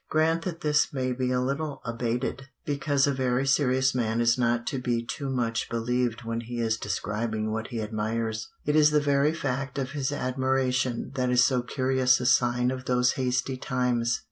Grant that this may be a little abated, because a very serious man is not to be too much believed when he is describing what he admires; it is the very fact of his admiration that is so curious a sign of those hasty times.